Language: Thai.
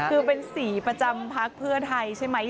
คือเป็นสีประจำพักเพื่อไทยใช่ไหม